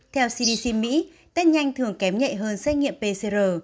theo cdc mỹ test nhanh thường kém nhẹ hơn xét nghiệm pcr